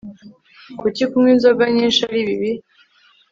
Kuki kunywa inzoga nyinshi ari bibi